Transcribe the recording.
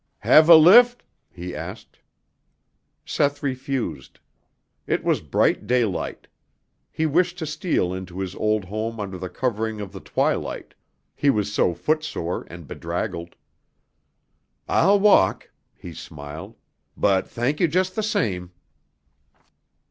"Have a lif'?" he asked. Seth refused. It was bright daylight. He wished to steal into his old home under the covering of the twilight, he was so footsore and bedraggled. "I'll walk," he smiled, "but thank you just the same."